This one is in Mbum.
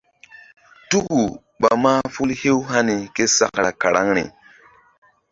Tuku ɓa mahful hew hani késakra karaŋri.